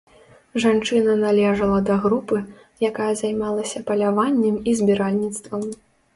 Жанчына належала да групы, якая займалася паляваннем і збіральніцтвам.